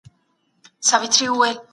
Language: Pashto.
هغه هلک غوښهمېشه چي په خوب کي البوځي.